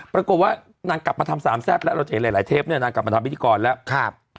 ปรากฏว่านางกลับมาทำสามแซ่บแล้วเราจะเห็นหลายเทปเนี่ยนางกลับมาทำพิธีกรแล้ว